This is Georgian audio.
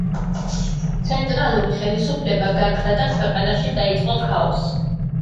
ცენტრალური ხელისუფლება გაქრა და ქვეყანაში დაიწყო ქაოსი.